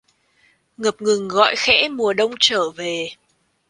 Ngập ngừng gọi khẽ mùa Đông trở về